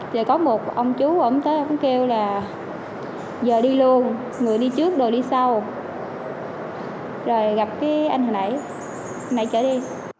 rồi có một ông chú tới kêu là giờ đi luôn người đi trước đồ đi sau rồi gặp cái anh hồi nãy hồi nãy chở đi